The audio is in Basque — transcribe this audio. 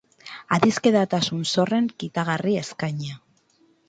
Adiskidetasun zorren kitagarri eskainia.